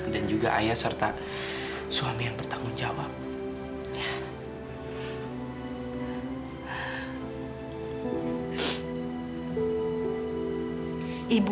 dan juga ayah serta suami yang bertanggung jawab